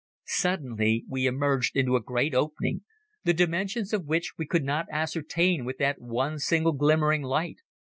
Suddenly we emerged into a great opening, the dimensions of which we could not ascertain with that one single glimmering light.